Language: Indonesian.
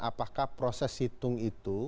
apakah proses situng itu